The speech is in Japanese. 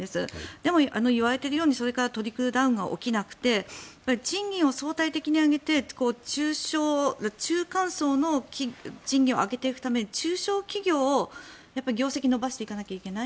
でも言われているようにそれからトリクルダウンが起きなくて賃金を相対的に上げて中間層の賃金を上げていくために中小企業の業績を伸ばしていかないといけない。